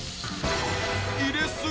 入れすぎ！